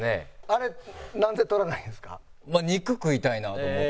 あれなんで取らないんですか？